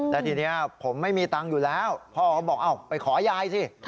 แต่ทีนี้ผมไม่มีตังค์อยู่แล้วพ่อก็บอกไปขอยายสิ